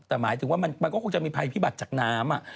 แต่หมายถึงว่ามันก็คงจะมีภัยพิบัติจากน้ำ